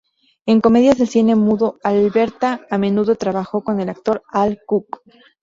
En comedias del cine mudo Alberta a menudo trabajó con el actor Al Cook.